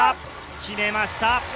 決めました。